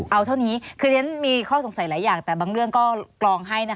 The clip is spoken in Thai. เอาเท่านี้คือเรียนมีข้อสงสัยหลายอย่างแต่บางเรื่องก็กรองให้นะคะ